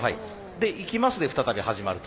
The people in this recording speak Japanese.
で「行きます」で再び始まると。